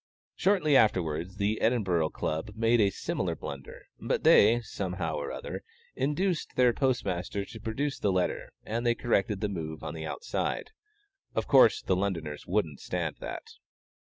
Shortly afterwards, the Edinburgh Club made a similar blunder, but they, somehow or other, induced their postmaster to produce the letter, and they corrected the move on the outside. Of course the Londoners wouldn't stand that.